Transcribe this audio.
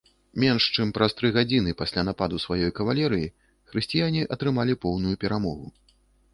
Менш чым праз тры гадзіны пасля нападу сваёй кавалерыі хрысціяне атрымалі поўную перамогу.